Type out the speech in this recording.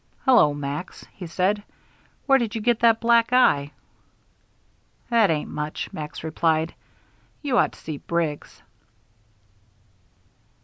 "Hello, Max," he said; "where did you get that black eye?" "That ain't much," Max replied. "You ought to see Briggs."